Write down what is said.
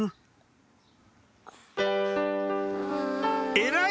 偉い！